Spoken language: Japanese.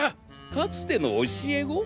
かつての教え子？